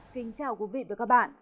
kính chào quý vị và các bạn